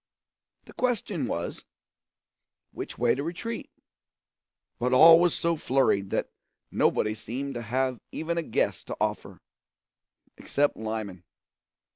The question was, which way to retreat; but all were so flurried that nobody seemed to have even a guess to offer. Except Lyman.